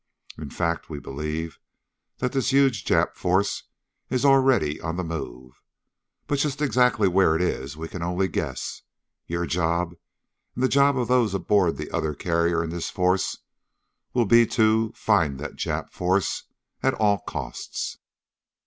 In fact, we believe that this huge Jap force is already on the move. But just exactly where it is, we can only guess. Your job, and the job of those aboard the other carrier in this force, will be to find that Jap force _at all costs!